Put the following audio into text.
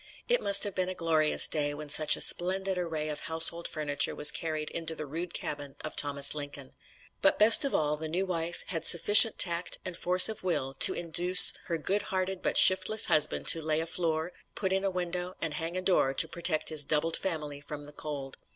It must have been a glorious day when such a splendid array of household furniture was carried into the rude cabin of Thomas Lincoln. But best of all, the new wife had sufficient tact and force of will to induce her good hearted but shiftless husband to lay a floor, put in a window, and hang a door to protect his doubled family from the cold.